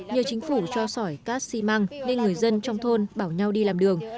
nhờ chính phủ cho sỏi cát xi măng nên người dân trong thôn bảo nhau đi làm đường